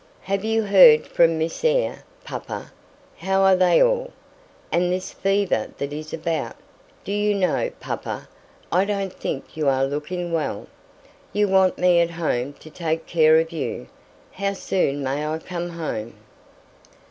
"Have you heard from Miss Eyre, papa? How are they all? And this fever that is about? Do you know, papa, I don't think you are looking well? You want me at home to take care of you. How soon may I come home?"